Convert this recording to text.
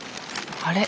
あれ？